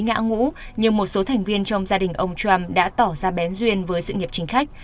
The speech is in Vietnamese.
ngã ngũ nhưng một số thành viên trong gia đình ông trump đã tỏ ra bén duyên với sự nghiệp chính khách